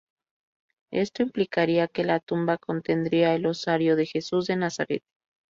Esto implicaría que la tumba contendría el osario de Jesús de Nazaret.